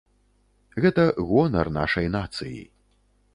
Гэта гонар нашай нацыі.